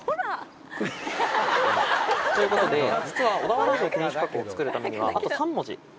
「く」。ということで実は「小田原城天守閣」を作るためにはあと。